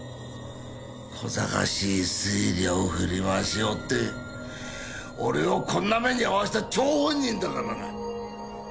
小賢しい推理を振り回しおって俺をこんな目に遭わせた張本人だからな。